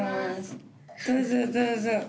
どうぞどうぞ。